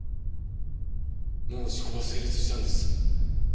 もう時効は成立したんです。